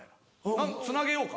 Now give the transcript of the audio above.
つなげようか？」